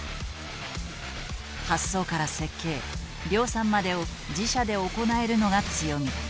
発想から設計量産までを自社で行えるのが強みだ。